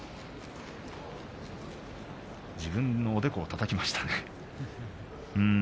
自分のおでこをたたきましたね。